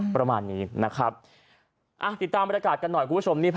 ติดตามบริการหน่อยครับคุณผู้ชม